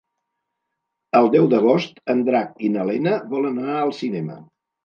El deu d'agost en Drac i na Lena volen anar al cinema.